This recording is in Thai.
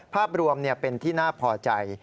ภาพรวมเป็นที่น่าพอใจ